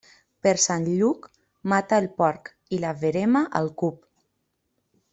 Per Sant Lluc, mata el porc, i la verema al cup.